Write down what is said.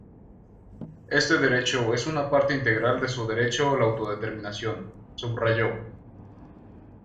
Este derecho es una parte integral de su derecho a la autodeterminación", subrayó.